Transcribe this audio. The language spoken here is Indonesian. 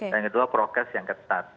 dan kedua progress yang ketat